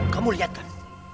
kamu lihat kan